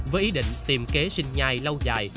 với ý định tìm kế sinh nhai lâu dài